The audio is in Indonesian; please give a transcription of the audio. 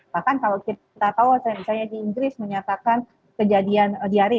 bahkan kalau kita tahu misalnya di inggris menyatakan kejadian diari